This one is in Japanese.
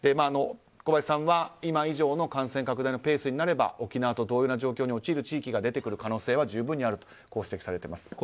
小林さんは今以上の感染拡大のペースになれば沖縄と同様な状況になる地域が増えてくるだろうと指摘されています。